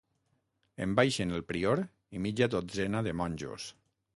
En baixen el prior i mitja dotzena de monjos.